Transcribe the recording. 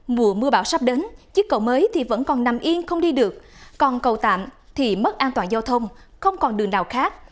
mùa mưa bão sắp đến chiếc cầu mới thì vẫn còn nằm yên không đi được còn cầu tạm thì mất an toàn giao thông không còn đường nào khác